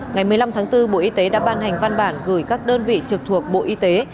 ngày một mươi năm tháng bốn bộ y tế đã ban hành văn bản gửi các đơn vị trực thuộc bộ y tế